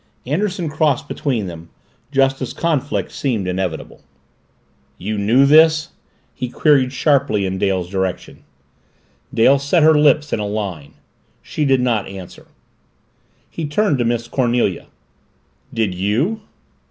Anderson crossed between them, just as conflict seemed inevitable. "You knew this?" he queried sharply in Dale's direction. Dale set her lips in a line. She did not answer. He turned to Miss Cornelia. "Did you?"